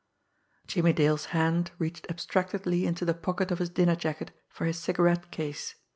Jimmie Dale's hand reached abstractedly into the pocket of his dinner jacket for his cigarette case.